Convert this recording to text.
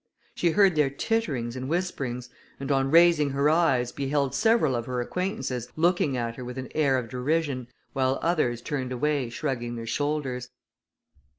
She heard their titterings and whisperings, and on raising her eyes, beheld several of her acquaintances looking at her with an air of derision, while others turned away, shrugging their shoulders.